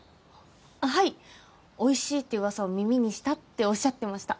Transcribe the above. はいおいしいって噂を耳にしたっておっしゃってました。